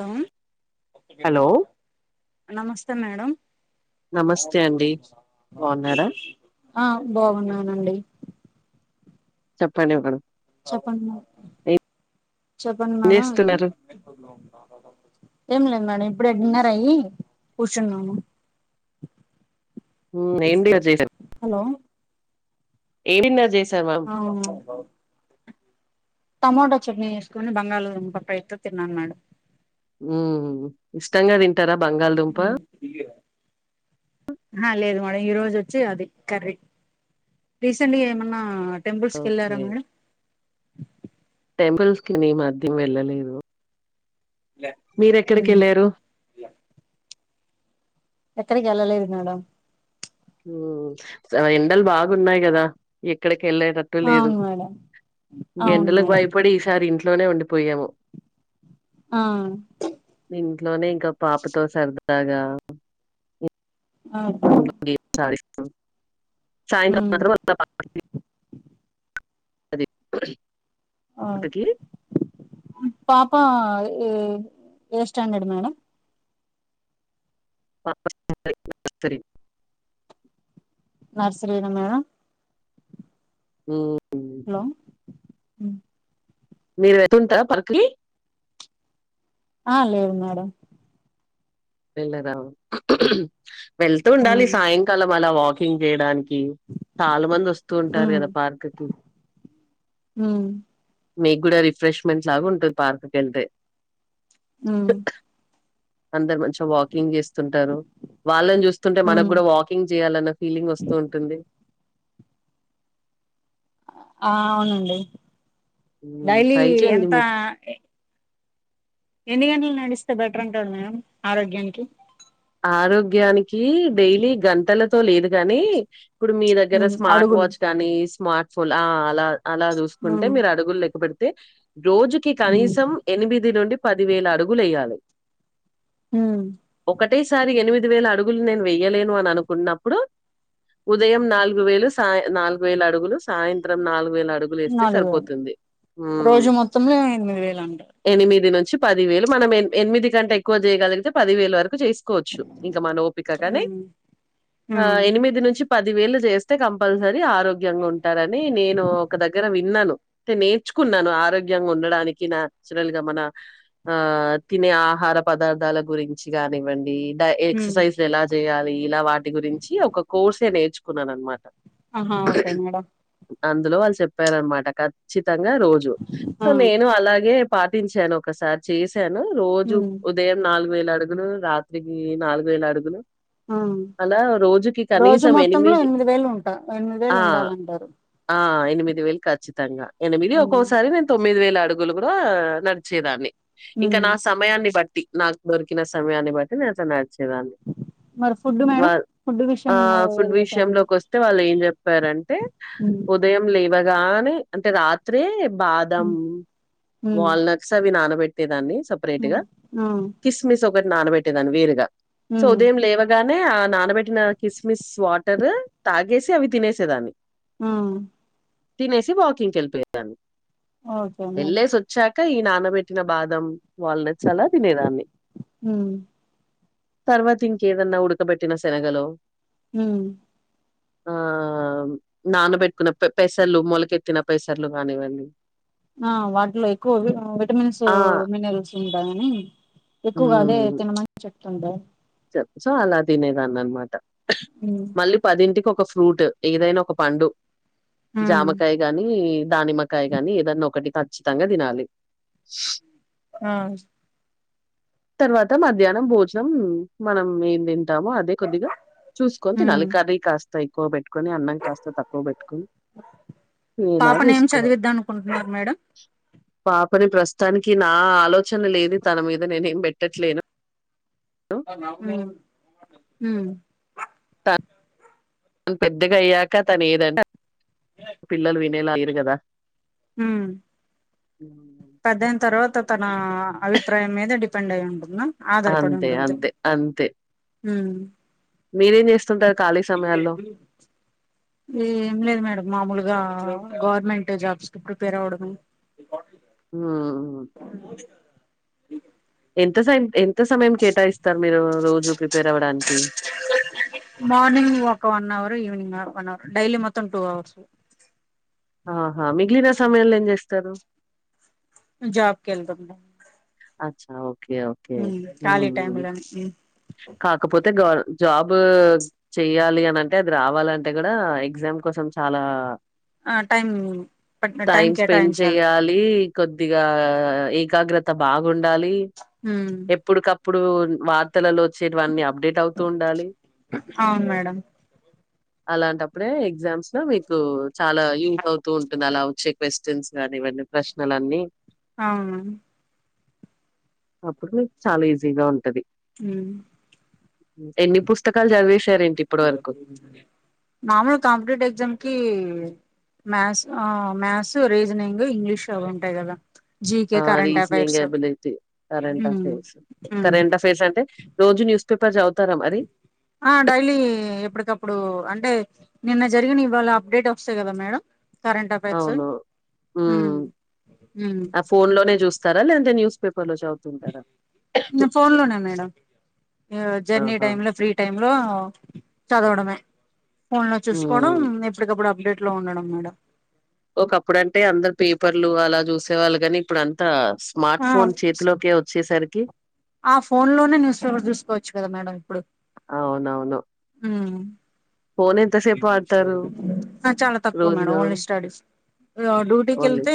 తోమ్ hello నమస్తే madam. నమస్తే అండి బాగున్నారా ఆ బాగున్నానండి. చెప్పండి ఒక్కడు చెప్పండి మే చెప్పండి మేడం. చేస్తున్నారు ఏం లేదు మేడం ఇప్పుడు డిన్నర్ అయి కూచున్నాము. ఉహ్మ్ ఏం డీలర్ జేజర్ హలో ఏ డిన్నర్ జేసమా. అవును టొమాటా చట్నీ ఏసుకొని బంగాళదుంప ఫ్రైతో తిన్నాను మేడం. ఉహుహ్ ఇష్టంగా దింటారా బంగాళదుంపా. ఆహా లేదు మేడం ఈ రోజు వచ్చి అది కర్రీ రీసెంట్గా ఏమన్నా తెంబూలస్క్ ఏళ్ళరా ఓకే మేడం. టెంపుల్స్ కి మీ మధ్యం వెళ్ళలేదు. లే మీర్ ఎక్కడికేళ్ళారు. ఎక్కడికి ఏళ్ళలేదు మేడం. ఉ చానా ఎండలు బాగున్నాయి గదా ఎక్కడికి ఏళ్ళేటట్ టు లేదు అవును మేడం ఇగా అవును ఎండలకు మేడం భయపడి ఈసారి ఇంట్లోనే ఉండిపోయాము. ఆ ఇంట్లోనే ఇంకా పాపతో సరదాగా అవున్ ఇంట్లో గేమ్స్ ఆడిస్తాం. సాయంత్రం మాత్రం సభ పతి అదే అతకి పాప ఏ ఏ స్టాండర్డ్ మేడం. పాప [inaudible] ఇత్తిరి. నర్సరినా మేడం ఉహ్ హలో మీరు వెతుంటారా పర్కరి ఆ లేదు మేడం. వేలదా వెళ్తూ ఉండాలి ఉమ్ సాయిన్ సలమల వాకింగ్ జేయడానికి చాలా మంది వస్త్ ఉమ్ తూంటార్గదా పార్కుకి ఉమ్ మీక్గూడా రిఫ్రెష్మెంట్ లాగున్టది పార్క్కెళ్తే ఉ అందర్ మంచిగా వాకింగ్ చేస్తుంటారు వాళ్లని చూస్స్తుంటే ఉమ్ మనక్గూడా వాకి టింగ్ చేయాలన్న ఫీలింగ్ వస్తూ ఉంటుంది ఆ అవునండి డైలీ ట్రై చేయండి ఎంత మీరు ఏ ఎన్ని గంటల్ నడిస్తే బెటరంటరూ మేడం ఆరోగ్యానికి ఆరోగ్యానికి డైలీ గంటలతో లేదు గానీ ఇప్పుడు మీ దగ్గర ఉమ్ స్మార్ట్ అడుగులు వాచ్ కాని స్మార్ట్ ఫోన్లా ఆ అలా అలా జూస్కుంటే ఉమ్ మీరు అడుగుల్లెక్క పెడితే రోజుకి ఉమ్ కనీసం ఎనిమిది నుండి పది వేల అడుగులేయ్యాలె హు ఒకటేసారి ఎనిమిది వేల అడుగుల్నేన్ వెయ్యలేను అననుకున్నప్పుడు ఉదయం నాలుగు వేలు సాయ నాలుగు వేల అడుగులు సాయంత్రం నాలుగు వేల అడుగు లేస్తే నాలుగు వేలు సరిపోతుంది మ్ రోజు మొత్తంలో ఎనిమిది వేలు అంటారు ఎనిమిది నుంచి పదివేలు, మనం ఎన్ ఎన్మిది కంటే ఎక్కువ జేయగలిగితే పదివేల్ వరకు జెస్. కోచ్చు ఇంకా మనోపికగనే ఉమ్ ఆ ఉమ్ ఎనిమిది నుంచి పది వేలు చేస్. తే కంపల్సరీ ఆరోగ్యంగుంటారని నేను ఒక దగ్గర విన్నాను తె నేర్చుకున్నాను ఆరోగ్యంగుండడానికి న్యా చురల్గా మన ఆ తినే ఆహార పదార్థాల గురించి గానివ్వండి డై ఉమ్ ఎక్ససైజ్. ఎలా జెయాలి ఇలా వాటి గురించి ఒక కోర్సే నేర్చుకున్నాన్మాట ఆహా ఓకే మేడం అందులో వాల్చెప్పారన్మాట ఖచ్చితంగా రోజు సో ఆ నేను అలాగే. పాటించాను ఒకసార్ చేశాను రోజు ఉమ్ ఉదయం నాలుగు వేలడుగు గులూ రాత్రికి నాలుగు వేల అడుగులు ఉమ్ అలా రోజుకి రోజు కనీసం మొత్తంలో ఎనిమిది వేలు ఉంటా ఎనిమిది వేలు ఆ ఉండాలంటారు ఆ ఎనిమిది వేల్ ఖచ్చితంగా ఎనిమిది ఉమ్ ఒక్కోసారి నేన్ తొమ్మిది వేల అడుగులు కూడా నడిచేదాన్ని ఇంకా ఉమ్ నా సమయాన్ని బట్టి నాక్దొర్. కినా సమయాన్ని బట్టి నేన్ట్లా నడిచి దాన్ని మరి ఫుడ్ మేడం వా ఫుడ్ ఆ విషయంలో ఫుడ్ ఏది పెట్టాలండి విషయంలోకోస్ తే వాళ్లేం జేప్పారంటే హు ఉదయం లేవగానే అంటే రాత్రే బాదం, హ్మ్ హ్మ్ వాల్న. సవి నానబెట్టే దాన్ని సబ్ [unintelligible] ఆ కిస్మిస్ ఒకటి నానబెట్టేదాన్ని వేరుగా సో హ్మ్. ఉదయం లేవ గానే ఆ నానబెట్టిన కిస్మిస్ వాటరూ తాగేసి అవి తినేసేదాన్ని. మ్మ్ తినేసి వాకింగ్కికేల్లిపోయాను ఓకే మేడం ఎల్లోసో చ్చాక ఈ నానబెట్టిన బాదం వాల్నట్స్ అలా తినేదాన్ని హుమ్ తర్వాతిన్కేదన్నా ఉడకబెట్టిన శెనగలో హుమ్ [inaudible] ఆ నానబెట్కున్న పె పెసర్లు మొలకెత్తిన పెసర్లు కానివ్వండి ఆ వాటిలో ఎక్కువ విటమిన్స్ ఆ! మినరల్స్ ఉంటాయని ఎక్కువగా అదే హ్మ్. తినమని చెప్తుండే సో అలా తినేదాన్ని అన్నమాట ఉమ్ మళ్ళీ పదింటికి ఒక ఫ్రూట్ ఏదైనా ఒక పండు జామకాయ గానీ దానిమ్మ కాయ గాని ఏదన్నా ఒకటి ఖచ్చితంగా తినాలి ఆ తర్వాత మధ్యాహ్నం భోజనం మనం ఏం తింటాము అదే కొద్దిగా చూసుకొని తినాల కర్రీ కాస్త ఎక్కువ పెట్టుకొని అన్నం కాస్త తక్కువ పెట్టుకొని తినేలా పాపను ఏం చూసుకోవాలి చదివిద్దాం అనుకుంటున్నారు మేడం పాపని ప్రస్తుతానికి నా ఆలోచన ఏమి తన మీద నేనేం పెట్టట్లేను ఉమ్ ఉమ్ తను పెద్దగా అయ్యాక తను ఏదంటే పిల్లలు వినేలా లేరు కదా హమ్ హ్మ్. పెదైన తర్వాత తన అభిప్రాయం ఏంటి డిపెండ్ అయి ఉంటుంది ఆధారపడి అంతే. ఉంటుంది అంతే. అంతే. హమ్ మీరేం చేస్తుంటారు ఖాళీ సమయాల్లో ఏం లేదు మేడం మామూలుగా గవర్నమెంట్ జాబ్స్ కి ప్రిపేర్ అవ్వడం హమ్ అవు [unintelligible] ఎంత స ఎంత సమయం కేటాయిస్తారు మీరు రోజు ప్రిపేర్ అవ్వడానికి మార్నింగ్ ఒక one hour evening one hour daily మొత్తం టూ అవర్స్ ఆహా మిగిలిన సమయాంలో ఏం చేస్తారు జాబ్ కి వెళ్తాం అచ్చా ఓకే ఓకే. ఉమ్ కాలి హ్మ్. టైమ్లా కాకపోతే గవర్ జాబ్ చెయ్యాలి అని అంటే అది రావాలంటే కూడా ఎగ్జామ్ కోసం చాలా ఆ టైము టైమ్ టైం స్పెండ్ కేటాయించాలి చేయాలి. కొద్దిగా ఏకాగ్రత బాగుండాలి హ ఎప్పుడికప్పుడు వార్తలలో వచ్చేవన్నీ అప్డేట్ అవుతూ ఉండాలి అవును మేడం అలాంటప్పుడే ఎగ్జామ్స్ లో మీకు చాలా యూజ అవుతూ ఉంటుంది అలా వచ్చే క్వశ్చన్స్ గానీ ఇవన్నీ ప్రశ్నలన్నీ అవును అప్పుడు చాలా ఈజీగా ఉంటది హ ఎన్ని పుస్తకాలు చది నార్మల్ కాంపిటేటివ్ ఎగ్జామ్ కి మ్యాథ్స్ ఆ మ్యాథ్స్ రీజనింగ్ ఇంగ్లీష్ అవి ఉంటాయి కదా జీకె ఆ current reasoning affairs ability affairs అంటే రోజు న్యూస్ పేపర్స్ చదువుతారా అది ఆ డైలీ ఎప్పటికప్పుడు అంటే నిన్న జరిగిన ఇవాళ అప్డేట్ వస్తాయి కదా మేడం కరెంట్ అఫేర్స్ అవును. హ్మ్. ఆ ఫోన్ లోనే చూస్తారా లేదంటే న్యూస్ పేపర్ లో చూస్ ఫోన్ లోనే మేడం జర్నీ ఆహా! టైం లో ఫ్రీ టైమ్ లొ చదవడమె ఫోన్ లొ చూసుకోవడం హ్మ్. నేర్చు అప్పటికప్పుడు అప్డేట్ లో ఉండడం మేడం ఒక అప్పుడంటే అందరు పేపర్లు అలా చూసే వాళ్ళు కాని ఇప్పుడు అంతా స్మార్ట్ ఆ ఫోన్ చేతిలోకే వచ్చేసరికి ఆ ఫోన్ లోనే న్యూస్ పేపర్ చూసుకోవచ్చు కదా మేడం ఇప్పుడు అవునవును ఫోన్ ఎంతసేపు వాడతారు చాలా తక్కువ మేడం రోజులో? ఓన్లీ స్టడీస్ డ్యూటీకి ఓన్లీ వెళ్తే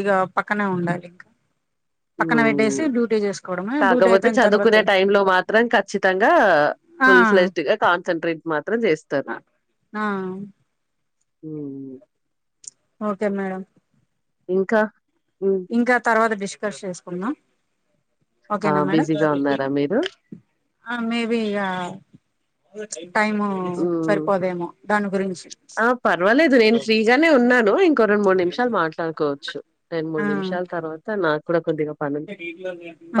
ఇక పక్కనే ఉండాలి ఇంకా పక్కన పెట్టేసి హ్మ్. డ్యూటీ చే కాకపోతే చదువుకునే టై లో మాత్రం ఖచ్చితంగా ఆ ఫుల్ ఫ్లెడ్జ్ గా కాన్సన్ంట్రేట్ మాత్రం చేస్ ఆ ఉ ఓకే మేడం ఇంకా ఇంకా తర్వాత డిస్కస్ చేసుకుందాం ఆ! ఓకేనా మేడం బిజీగా ఉన్నారా మీరు? ఆ మేబి అ వచ్చి టైమూ హ్మ్. సరిపోదేమో దాని గురించి ఆ! పర్వాలేదు నేను ఫ్రీగానే ఉన్నాను ఇంకో రెండు మూడు నిమిషాలు మాట్లాడుకోవచ్చు రెండు మూడు ఆ నిమిషాల తర్వాత నాకు కూడా కొద్దిగా పనుంది.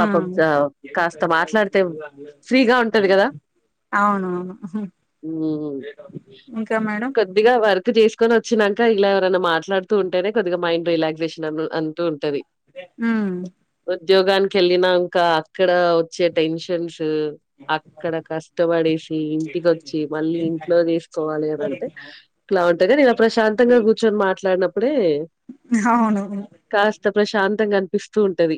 పాపం జ కాస్త మాట్లాడితే ఫ్రీగా ఉంటది కదా అవునువును కొద్దిగా వర్క్ చేసుకొని వచ్చినాక ఇలా ఎవరైనా మాట్లాడు తు ఉంటేనే కొద్దిగా మైండ్ రిలాక్సేషన్ అ అంటూ ఉంటది ఆ ఉద్యోగానికి వెళ్ళినాంకా అక్కడ వచ్చే టెన్షన్స్ అక్కడ కష్టపడేసి ఇంటికొచ్చి మళ్ళీ ఇంట్లో తీసుకోవాలి అనింటే ఇట్ల ఉంటాది నేను ప్రశాంతంగా కూర్చొని మాట్లాడినప్పుడే అవునవును కాస్త ప్రశాంతంగా అనిపిస్తూ ఉంటది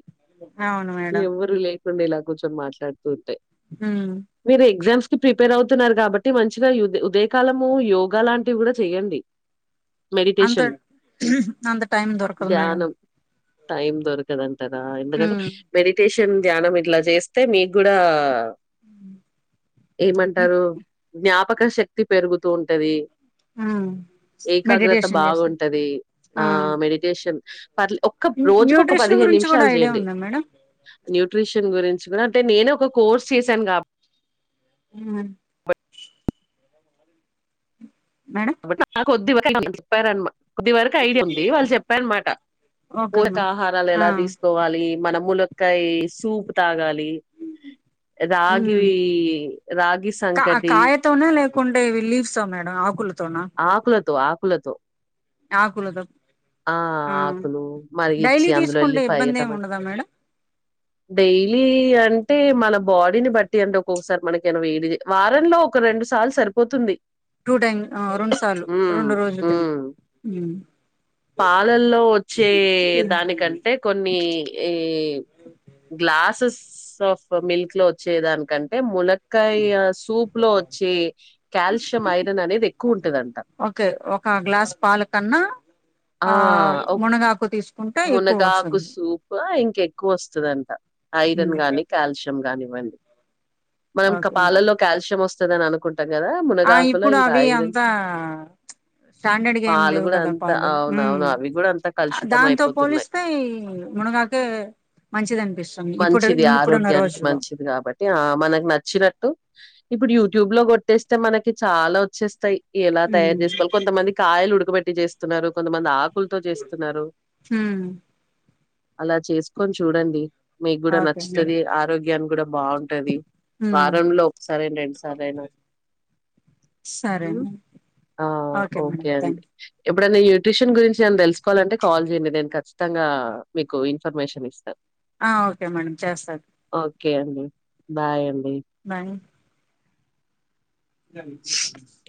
అవును మేడం ఎవ్వరు లే ఇలా కూర్చొని మాట్లాతూ ఉంటే ఉమ్ మీరు ఎగ్జామ్స్ కు ప్రిపేర్ అవుతున్నారు కాబట్టి మంచిగా ఉదయకాలము యోగా లాంటివి కూడా చెయండి అంత అంత టైం దొరకదు మేడం ధ్యానం టైం దొరకదంటారా ఎందుకంటే ఉమ్ మెడిటేషన్ ధ్యానం ఇట్లా చేస్తే మీకు కూడా ఏమంటారు జ్ఞాపక శక్తి పెరుగుతూ ఉంటది ఉమ్ ఏకాగ్రత మెడిటేషన్ చేస్త బాగుంటది ఆ మెడిటేషన్ పట్ల రోజుకు ఒక న్యూట్రిషన్ పదిహేను గురించి కూడా నిమిషాలు ఐడియా చేయండి ఉందా మేడం న్యూట్రిషన్ గురించి కూడా అంటే నేను ఒక కోర్స్ చేశాను కాబ ఉమ్ మేడం నా కొద్ది చెప్పారన్మా కొద్ది వరకు ఐడియా ఉంది వాళ్ళు చెప్పారనమాట ఓకే ఊరకా మ్యామ్ ఆహారాలు ఆ ఎలా తీసుకోవాలీ మనములో కయ్ సూప్ తాగాలి రాగి ఉమ్ వీ రాగిసంకటి ఉత్తవినే లేకుంటే ఇవి లీవ్సా మేడం ఆకులతోన ఆకులతొ ఆకులతొ ఆకులతొ ఆ ఆకులు మరిగిచ్చి డైలీ అందులో తీసుకుంటే ఎల్లిపాయ ఇబ్బంది ఏమి టమాట ఉండదా మేడం డైలీ అంటే మన బాడీని బట్టి అండు ఒక్సారి మనకేనా వేడి వారంలో ఒక రెండు సార్లు సరిపోతుంది టూ టైమ్ఆ రొండు సార్లు ఉమ్ రొండు రోజులు తిను ఉమ్ ఉమ్ పాలల్లో వచ్చే దానికంటే కొన్నీ ఈ గ్లాసెస్ ఆఫ్ మిల్క్ లో వచ్చేదానికంటే ములక్ కయ్యా సూప్ లో వచ్చీ కాల్షియం ఐరన్ అనేది ఎక్కువ ఉంటదంట ఒకే ఒక గ్లాస్ పాల కన్నా ఆ ఒక్ మునగాకు తీసుకుంటే ఎక్కువ మునగాకు వస్తుంది సూపో ఇంకెక్కువ వస్తదంట ఐరన్ గానీ కాల్షియం రం కానివ్వండి మనం క ఓకే పాలల్లో కాల్షియం వస్తదని అనుకుంటం కదా ఆ మునగాకులో ఇప్పుడు ఇంకా అవీ ఐరన్ అంతా ప్చ్ స్టాండడ్గ ఏమ్ పాలు లేవు గూడా కద అంత పాలు ఉమ్ అవునవును. అవి గూడా అంతా కలుషితం దాంతో పొలిస్ అయిపోతున్నాయి. స్తే మునగాకే మంచిది అనిపిస్సుంది ఇప్పుడు ఇప్పుడున్న రోజుల్లో ఇగా మనకు నచ్చినట్టు ఇప్పుడు యూట్యూబ్ లో కొట్టేస్తే మనకి చాలా వచ్చేస్తయ్ ఎలా తయారు ఉమ్. చేసుకోవాలి కొంతమంది కాయలు ఉడకబెట్టి చేస్తున్నారు కొంతమంది ఆక్ కుల్తో చేస్తున్నారు ఉమ్. అలా చేసుకొని చూడండి మీక్కూడ ఓకే నచ్చుతది ఆరోగ్యాన్ని కూడా బాగుంటది ఉమ్. వారంలో ఒకసారి రెండుసార్లయినా ఊ సరే అండి. ఆ మేడం ఓకే థ్యాంక్ అండి ఎప్పుడన్న న్యూట్రిషన్ గురించి ఏం తెలుసుకోవాలంటే కాల్ చేయండి నేను ఖచ్ తంగా మీకు ఇన్ఫర్మేషన్ ఇస్తాను ఆ ఒకే మేడం చేస్తాను ఓకే అండి బాయ్ అండి బాయ్ ఎమ్మటనే కాల్ చేస్